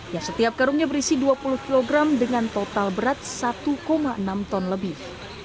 yang setiap karungnya berisi dua puluh kg dengan total berat satu enam ton lebih